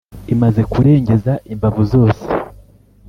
Imaze kurengeza imbavu zose,